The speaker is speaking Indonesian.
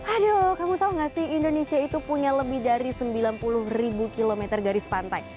aduh kamu tau gak sih indonesia itu punya lebih dari sembilan puluh ribu kilometer garis pantai